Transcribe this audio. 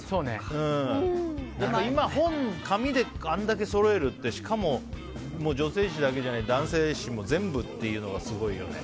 今、本を紙であれだけそろえるってしかも、女性誌だけじゃない男性誌も全部っていうのがすごいよね。